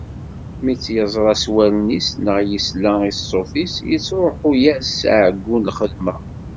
Mi tt-yeẓra s wallen-is neɣ yesla i ṣṣut-is, yettruḥu-yas ɛeggu n lxedma.